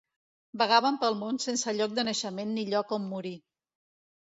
Vagaven pel món sense lloc de naixement ni lloc on morir.